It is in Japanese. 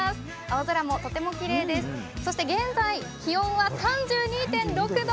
青空もとてもきれいです、そして現在気温は３２．６度。